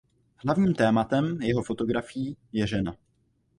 Hlavním tématem jeho fotografií je žena.